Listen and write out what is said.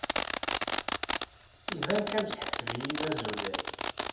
Iban kan tḥesbed-iyi d azulal.